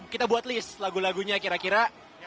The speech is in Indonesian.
kita buat list lagu lagunya kira kira